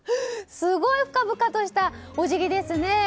すごい深々としたお辞儀ですね。